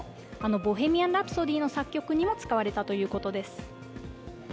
「ボヘミアン・ラプソディ」の作曲にも使われたということです。